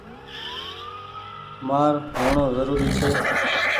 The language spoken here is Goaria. مآر هوڻو زوري ڇي۔